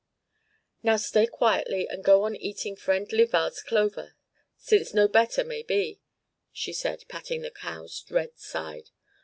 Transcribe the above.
"Now stay quietly and go on eating Friend Livard's clover, since no better may be," she said, patting the cow's red side.